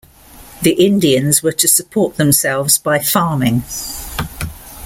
The Indians were to support themselves by farming.